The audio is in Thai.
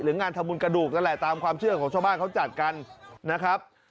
งานทำบุญกระดูกนั่นแหละตามความเชื่อของชาวบ้านเขาจัดกันนะครับ